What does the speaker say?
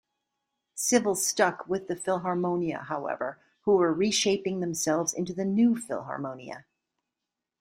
Civil stuck with the Philharmonia however, who were reshaping themselves into the New Philharmonia.